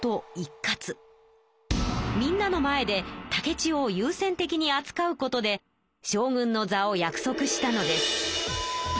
みんなの前で竹千代をゆう先的にあつかうことで将軍の座を約束したのです。